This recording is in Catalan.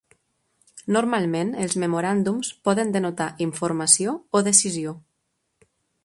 Normalment, els memoràndums poden denotar "informació" o "decisió".